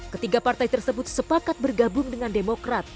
ketiga partai tersebut sepakat bergabung dengan demokrat